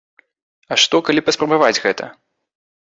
А што калі паспрабаваць гэта?